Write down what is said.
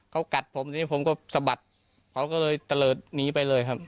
เขากัดผมทีนี้ผมก็สะบัดเขาก็เลยตะเลิศหนีไปเลยครับ